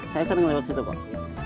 saya sering lewat situ pak